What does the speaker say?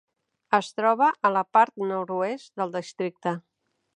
Es troba a la part nord-oest del districte.